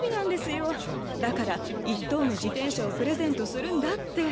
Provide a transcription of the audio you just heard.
だから一等の自転車をプレゼントするんだって。